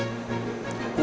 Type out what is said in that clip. kamu kemana sih